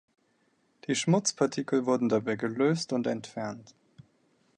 Die Schmutzpartikel wurden dabei gelöst und entfernt.